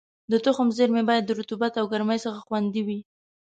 د تخم زېرمې باید له رطوبت او ګرمۍ څخه خوندي وي.